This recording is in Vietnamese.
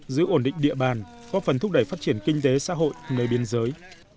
giữ ổn định địa bàn có phần thúc đẩy phát triển kinh tế xã hội nơi biên giới